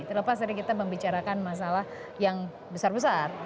terlepas dari kita membicarakan masalah yang besar besar